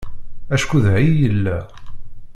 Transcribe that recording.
Acku da i yella.